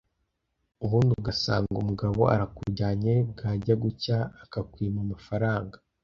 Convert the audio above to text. ubundi ugasanga umugabo arakujyanye bwajya gucya akakwima amafaranga